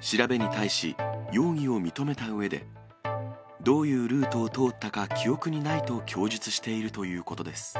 調べに対し、容疑を認めたうえで、どういうルートを通ったか記憶にないと供述しているということです。